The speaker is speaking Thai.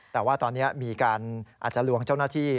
แต่ว่าตอนนี้มีการอาจจะลวงเจ้าหน้าที่